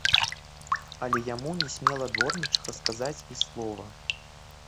Але яму не смела дворнічыха сказаць і слова.